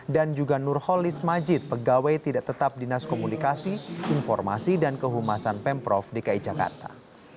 dan juga nurholis majid pegawai tidak tetap dinas komunikasi informasi dan kehumasan pemprov dki jakarta